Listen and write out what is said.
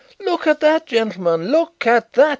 Look at that, gentlemen; look at that.